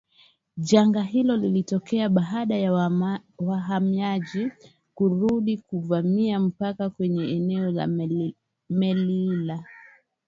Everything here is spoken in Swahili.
janga hilo lilitokea baada ya wahamiaji kujaribu kuvamia mpaka kwenye eneo la Melilla